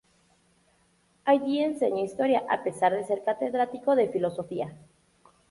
Allí enseñó Historia, a pesar de ser catedrático de Filosofía.